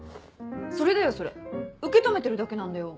それだよそれ受け止めてるだけなんだよ。